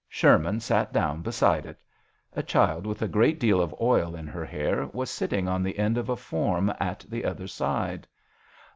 Sherman sat down beside it. A. child with a great deal of oil in her hair was sitting on the end of a form at the other side.